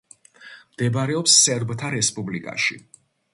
მდებარეობს სერბთა რესპუბლიკაში.